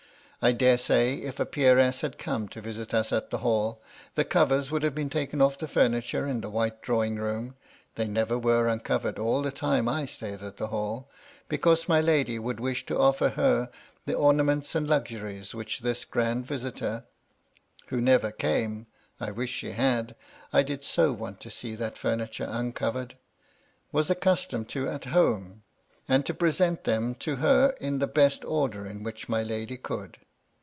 I dare say, if a peeress had come to visit us at the Hall, the covers would have been taken oflF the ftimiture in the white drawing room (they never were uncovered all the time I stayed at the Hall), because my lady would wish to offer her the ornaments and luxuries which this grand visitor (who never came — I wish she had ! I did so want to see that furniture 322 MY LADY LUDLOW. iinoovered I) was accustomed to at home, and to present them to her in the best order in which my lady could.